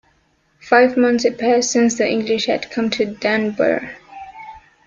Five months had passed since the English had come to Dunbar.